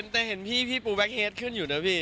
แต่เห็นพี่ปูแบ็คเฮดขึ้นอยู่นะพี่